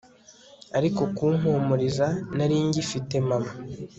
ariko kumpumuriza, nari ngifite mama